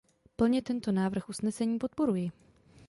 Plně tento návrh usnesení podporuji.